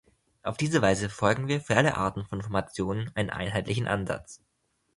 Auf diese Weise verfolgen wir für alle Arten von Informationen einen einheitlichen Ansatz.